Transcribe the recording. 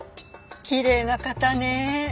きれいな方ね。